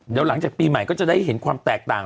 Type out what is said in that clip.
เดี๋ยวหลังจากปีใหม่ก็จะได้เห็นความแตกต่าง